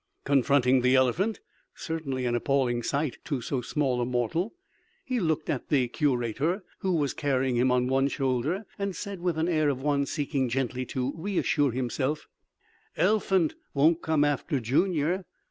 Confronting the elephant, certainly an appalling sight to so small a mortal, he looked at the curator, who was carrying him on one shoulder, and said with an air of one seeking gently to reassure himself, "Elphunt won't come after Junior."